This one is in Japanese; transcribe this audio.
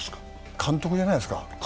監督じゃないですか。